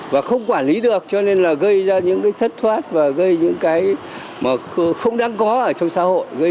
và không quản lý được cho nên là gây ra những cái thất thoát và gây những cái mà không đáng có ở trong xã hội